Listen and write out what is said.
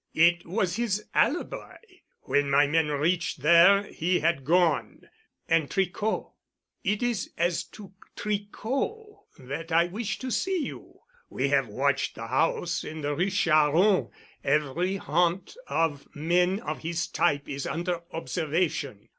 It was his alibi. When my men reached there, he had gone." "And Tricot?" "It is as to Tricot that I wished to see you. We have watched the house in the Rue Charron. Every haunt of men of his type is under observation.